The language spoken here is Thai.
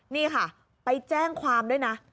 นี่ค่ะไปแจ้งความด้วยนะ